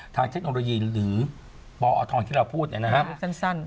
ทางเทคโนโลยีหรือบอทรที่เราพูดเนี่ยนะครับ